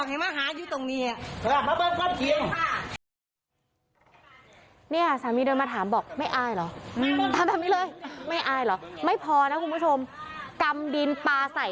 เนี่ยบางตัวมาถามบอกไม่อายเหรอคือไม่อายหรอไม่พอนะคุณผู้ชมกำดินป่าใส่